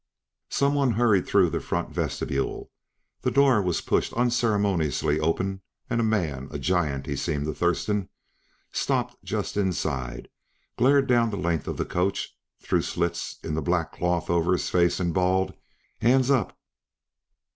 Some one hurried through the front vestibule, the door was pushed unceremoniously open and a man a giant, he seemed to Thurston stopped just inside, glared down the length of the coach through slits in the black cloth over his face and bawled, "Hands up!"